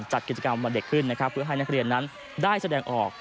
จัดกิจกรรมวันเด็กขึ้นนะครับเพื่อให้นักเรียนนั้นได้แสดงออก